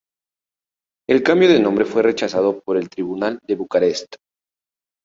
El cambio de nombre fue rechazado por el tribunal de Bucarest.